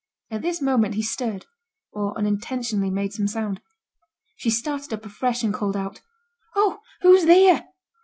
At this moment he stirred, or unintentionally made some sound: she started up afresh, and called out, 'Oh, who's theere?